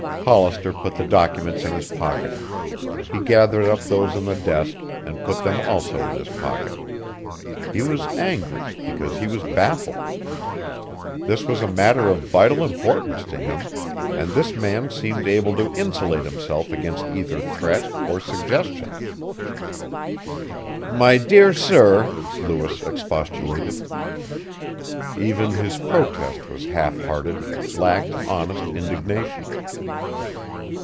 Hollister put the documents in his pocket. He gathered up those on the desk and put them also in his pocket. He was angry because he was baffled. This was a matter of vital importance to him, and this man seemed able to insulate himself against either threat or suggestion. "My dear sir," Lewis expostulated. Even his protest was half hearted, lacked honest indignation.